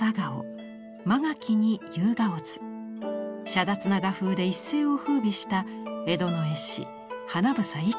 しゃだつな画風で一世をふうびした江戸の絵師英一蝶。